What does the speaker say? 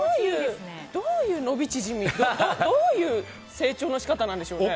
どういう伸び縮みどういう成長の仕方なんでしょうね。